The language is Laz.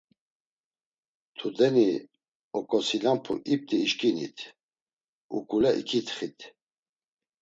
Tudeni oǩosinapu ipti işkinit, uǩule iǩitxit.